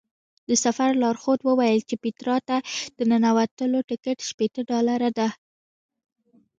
د سفر لارښود وویل چې پیترا ته د ننوتلو ټکټ شپېته ډالره دی.